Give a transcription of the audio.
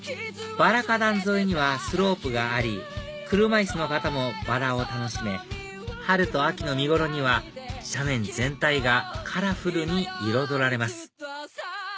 バラ花壇沿いにはスロープがあり車椅子の方もバラを楽しめ春と秋の見頃には斜面全体がカラフルに彩られます